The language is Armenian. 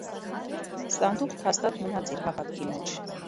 Սանդուխտ հաստատ մնաց իր հաւատքին մէջ։